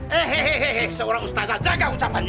hehehe seorang ustazah jaga ucapannya